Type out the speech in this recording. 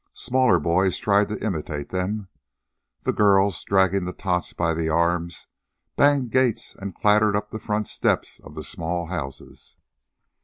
Smaller boys tried to imitate them. The girls, dragging the tots by the arms, banged gates and clattered up the front steps of the small houses.